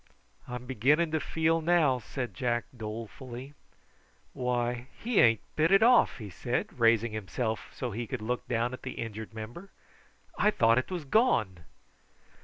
"I'm beginning to feel now," said Jack dolefully. "Why, he ain't bit it off!" he said, raising himself so that he could look down at the injured member. "I thought it was gone."